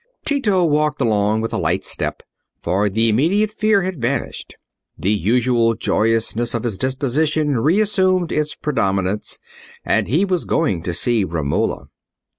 Tito walked along with a light step, for the immediate fear had vanished; the usual joyousness of his disposition reassumed its predominance, and he was going to see Romola.